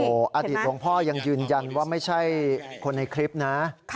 อดีตหลวงพ่อยังยืนยันว่าไม่ใช่คนในคลิปนะ